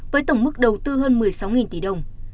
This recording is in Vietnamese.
với tổng mức đầu tư hơn một mươi sáu tỷ đồng